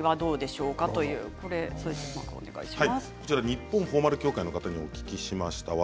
日本フォーマル協会の方に聞きました。